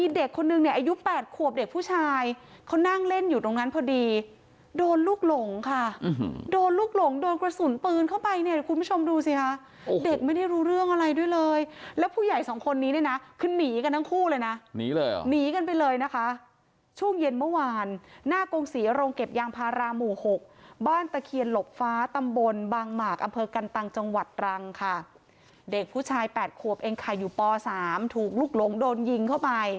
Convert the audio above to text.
เด็กแปดขวบเด็กผู้ชายเขานั่งเล่นอยู่ตรงนั้นพอดีโดนลูกหลงค่ะโดนลูกหลงโดนกระสุนปืนเข้าไปเนี่ยคุณผู้ชมดูสิคะเด็กไม่ได้รู้เรื่องอะไรด้วยเลยแล้วผู้ใหญ่สองคนนี้เนี่ยนะคือนีกันทั้งคู่เลยนะนีเลยหรอนีกันไปเลยนะคะช่วงเย็นเมื่อวานหน้ากงศรีโรงเก็บยางพารามหมู่หกบ้านตะเคียนหลกฟ้าตำบลบางหมากอำเภอกันต